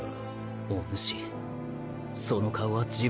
おぬしその顔は自分で。